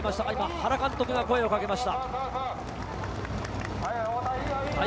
原監督が声をかけました。